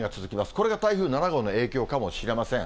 これが台風７号の影響かもしれません。